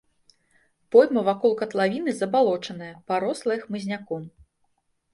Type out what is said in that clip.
Пойма вакол катлавіны забалочаная, парослая хмызняком.